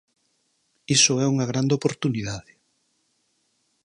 Iso é unha grande oportunidade.